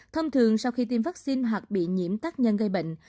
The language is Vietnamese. thông thường sau khi tiêm vaccine hoặc bị nhiễm tác nhân gây bệnh